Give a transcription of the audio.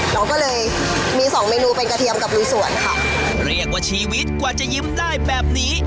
เราก็เลยมีสองเมนูเป็นกระเทียมกับลุยสวนค่ะเรียกว่าชีวิตกว่าจะยิ้มได้แบบนี้